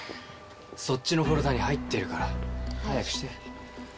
そっちのフォルダに入ってるから。早くして。